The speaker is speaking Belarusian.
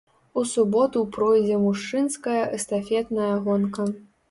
У суботу пройдзе мужчынская эстафетная гонка.